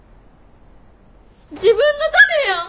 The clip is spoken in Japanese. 自分のためやん！